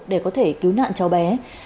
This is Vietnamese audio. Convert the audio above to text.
để có thể cứu nạn cho bé